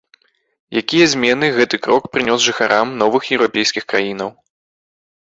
Якія змены гэты крок прынёс жыхарам новых еўрапейскім краінаў?